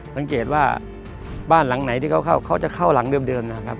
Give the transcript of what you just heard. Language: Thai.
สังเกตว่าบ้านหลังไหนที่เขาเข้าเขาจะเข้าหลังเดิมนะครับ